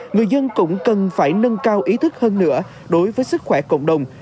người dân cũng cần phải nâng cao ý thức hơn nữa đối với sức khỏe cộng đồng